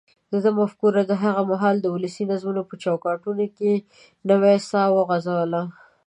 دده مفکورې د هغه مهال د ولسي نظمونو په چوکاټونو کې نوې ساه وغځوله.